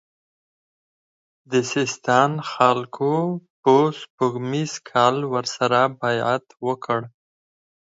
د سیستان خلکو په سپوږمیز کال ورسره بیعت وکړ.